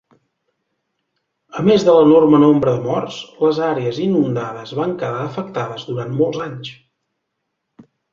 A més de l'enorme nombre de morts, les àrees inundades van quedar afectades durant molts anys.